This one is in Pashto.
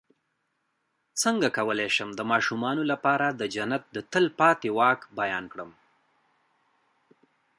څنګه کولی شم د ماشومانو لپاره د جنت د تل پاتې واک بیان کړم